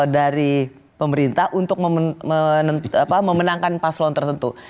dari pemerintah untuk memenangkan paslon tertentu